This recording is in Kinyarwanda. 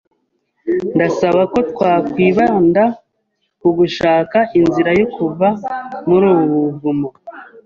Ndasaba ko twakwibanda ku gushaka inzira yo kuva muri ubu buvumo.